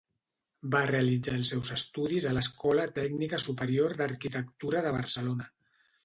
Va realitzar els seus estudis a l'Escola Tècnica Superior d'Arquitectura de Barcelona.